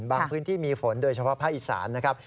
พื้นที่มีฝนโดยเฉพาะภาคอีสานนะครับ